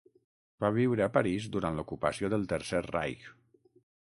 Va viure a París durant l'ocupació del Tercer Reich.